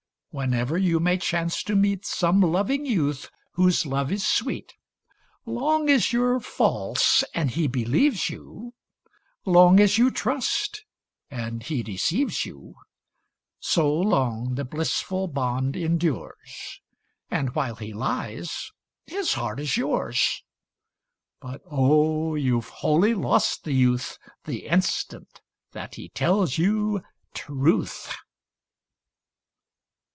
Whenever you may chance to meet Some loving youth, whose love is sweet, Long as you're false and he believes you, Long as you trust and he deceives you. So long the blissful bond endures. And while he lies, his heart is yours : But, oh I youVe wholly lost the youth The instant that he tells you truth.